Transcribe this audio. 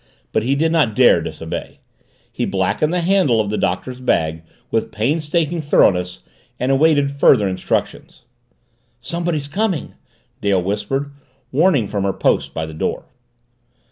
But he did not dare disobey. He blackened the handle of the Doctor's bag with painstaking thoroughness and awaited further instructions. "Somebody's coming!" Dale whispered, warning from her post by the door.